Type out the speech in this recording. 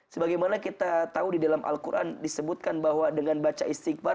sebagaimana kita tahu di dalam al quran disebutkan bahwa dengan baca istighfar